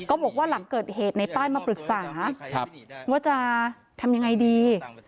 บอกว่าหลังเกิดเหตุในป้ายมาปรึกษาว่าจะทำยังไงดี